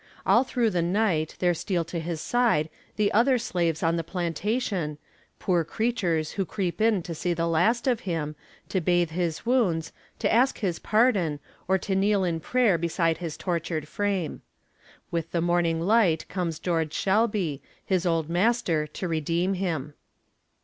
All through the night there steal to his side the other slaves on the plantation, poor creatures who creep in to see the last of him, to bathe his wounds, to ask his pardon, or to kneel in prayer beside his tortured frame. With the morning light comes George Shelby, his old master, to redeem him.